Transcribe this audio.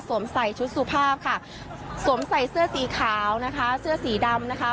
ใส่ชุดสุภาพค่ะสวมใส่เสื้อสีขาวนะคะเสื้อสีดำนะคะ